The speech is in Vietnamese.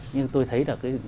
nhưng tôi thấy là